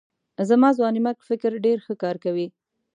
زما ځوانمېرګ فکر ډېر ښه کار کوي.